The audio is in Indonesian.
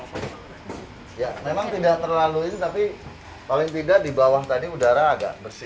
ya memang tidak terlalu itu tapi paling tidak di bawah tadi udara agak bersih